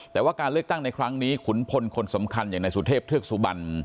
แต่ว่าการเลือกตั้งในครั้งนี้ขุนพลคนสำคัญอย่างนายสุเทพเทือกสุบัน